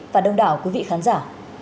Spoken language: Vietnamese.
và đông đảo quý vị khán giả